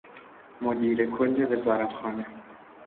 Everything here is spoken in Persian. مدیر کل وزارتخانه